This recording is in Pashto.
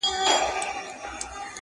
له نژدې ليري ملكونو وه راغلي٫